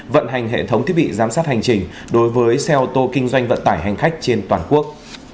vận hành hệ thống thiết bị giám sát hành trình đối với xe ô tô kinh doanh vận tải hành khách trên toàn quốc